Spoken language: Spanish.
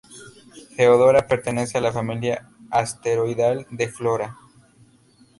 Theodora pertenece a la familia asteroidal de Flora.